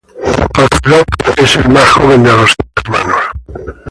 Kozlov es el más joven de seis hermanos.